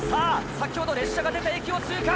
先ほど列車が出て駅を通過